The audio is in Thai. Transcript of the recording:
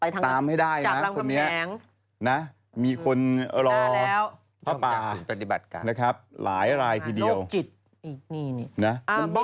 ตามให้ได้นะคนนี้นะมีคนรอพระป่านะครับหลายรายพีเดียวโรคจิต